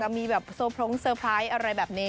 อยากจะมีแบบโฟมโพลงเซอร์ไพรส์อะไรแบบนี้